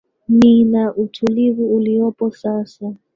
ni na utulivu uliopo sasa